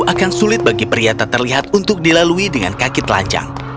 akan sulit bagi pria tak terlihat untuk dilalui dengan kaki telanjang